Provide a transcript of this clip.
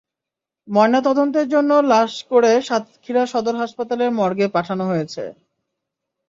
ময়নাতদন্তের জন্য লাশ করে সাতক্ষীরা সদর হাসপাতালের মর্গে পাঠানো হয়েছে।